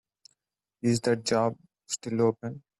Is that job still open?